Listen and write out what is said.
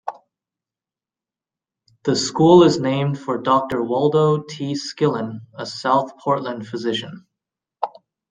The school is named for Doctor Waldo T. Skillin, a South Portland physician.